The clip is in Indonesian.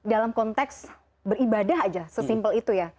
dalam konteks beribadah aja sesimpel itu ya